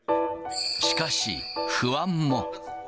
しかし、不安も。